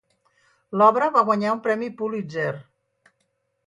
L'obra va guanyar un Premi Pulitzer.